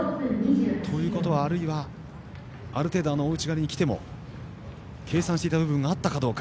あるいはある程度、大内刈りにきても計算していた部分があったかどうか。